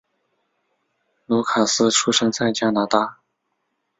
卢卡斯出生在加拿大。